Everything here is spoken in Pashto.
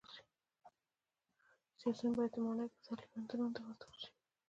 سیاسیون باید د ماڼیو پرځای لېونتونونو ته واستول شي